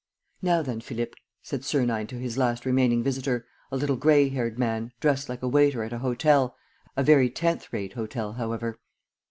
"Now then, Philippe," said Sernine to his last remaining visitor, a little gray haired man, dressed like a waiter at a hotel, a very tenth rate hotel, however.